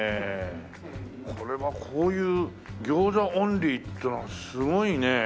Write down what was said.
これはこういう餃子オンリーっていうのはすごいね。